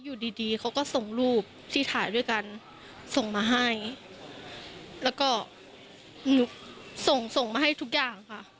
อยู่ดีดีเขาก็ส่งรูปที่ถ่ายด้วยกันส่งมาให้แล้วก็หนูส่งส่งมาให้ทุกอย่างค่ะ